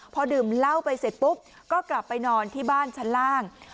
พอดื่มเหล้าไปเสร็จปุ๊บก็กลับไปนอนที่บ้านชั้นล่าง